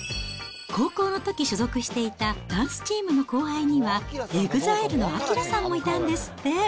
高校のとき所属していたダンスチームの後輩には、ＥＸＩＬＥのアキラさんもいたんですって。